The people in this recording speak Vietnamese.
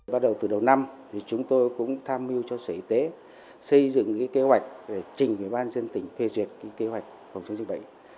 bắt đầu từ đầu năm chúng tôi cũng tham mưu cho sở y tế xây dựng kế hoạch để trình ủy ban dân tỉnh phê duyệt kế hoạch phòng chống dịch bệnh